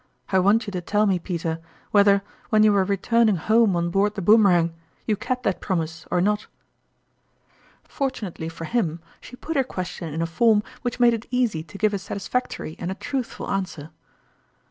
I want you to tell me, Peter, whether, when you were returning home on board the Boomerang, you kept that promise or not ?" Fortunately for him, she put her question in a form which made it easy to give a satis factory and a truthful answer.